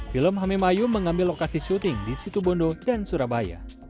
film hame mayu mengambil lokasi syuting di situbondo dan surabaya